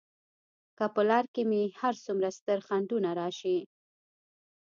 که په لار کې مې هر څومره ستر خنډونه راشي.